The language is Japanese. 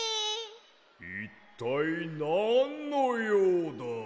いったいなんのようだ？